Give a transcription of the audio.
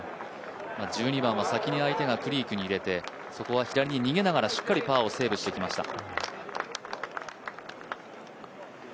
１２番先に相手がクリークに入れて、そこは左に逃げながらしっかりパーをセーブしてきました。